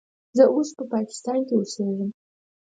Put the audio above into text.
زه اوس په پاکستان کې اوسیږم.